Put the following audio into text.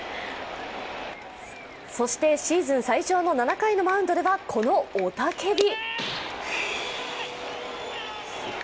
そしてシーズン最長の７回のマウンドではこの雄たけび。